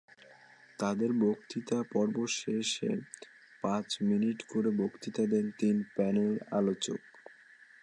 তাঁদের বক্তৃতা পর্ব শেষে পাঁচ মিনিট করে বক্তৃতা দেন তিন প্যানেল আলোচক।